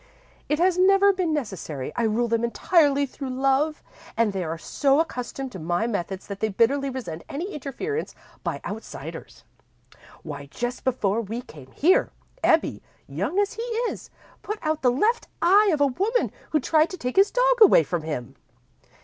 "It has never been necessary. I rule them entirely through love, and they are so accustomed to my methods that they bitterly resent any interference by outsiders. Why, just before we came here, Ebbie, young as he is, put out the left eye of a woman who tried to take his dog away from him.